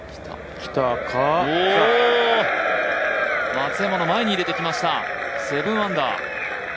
松山の前に入れてきました、７アンダー。